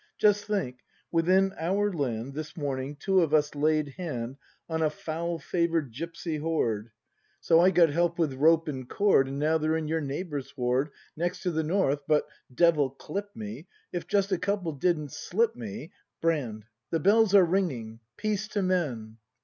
Just think, within our land This morning two of us laid hand On a foul favour'd gipsy horde, 184 BRAND [act iv So I got help with rope and cord, And now they're in your neighbour's ward Next to the North, but — devil clip me! — If just a couple didn't slip me Brand. The bells are ringing: Peace to Men.